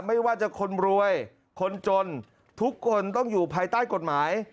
ไม่ว่าจะคนรวยคนจนทุกคนต้องอยู่ภายใต้กฎหมาย